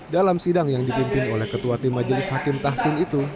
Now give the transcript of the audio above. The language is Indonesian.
dalam sidang yang dipimpin oleh ketua tim majelis hakim tahsim itu